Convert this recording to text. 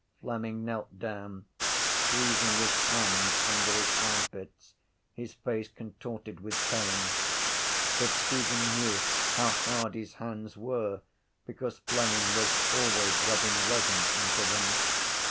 Fleming knelt down, squeezing his hands under his armpits, his face contorted with pain, but Stephen knew how hard his hands were because Fleming was always rubbing rosin into them.